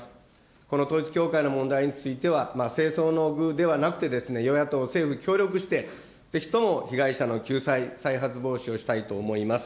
この統一教会の問題については、政争の具ではなくて、与野党、政府協力して、ぜひとも被害者の救済、再発防止をしたいと思います。